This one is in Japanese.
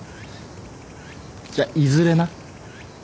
じゃいずれな。